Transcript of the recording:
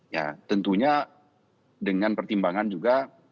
ya tentunya dengan pertimbangan juga